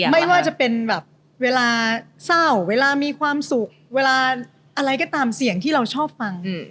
ไม่ว่าจะเป็นแบบเวลาเศร้าเวลามีความสุขเวลาอะไรก็ตามเสียงที่เราชอบฟัง